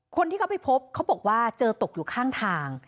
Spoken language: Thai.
คนที่เขาไปพบเขาบอกว่าเจอตกอยู่ข้างทาง